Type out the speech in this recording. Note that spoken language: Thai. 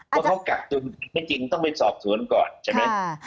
ว่าเขากักจนไม่จริงต้องไปสอบสวนก่อน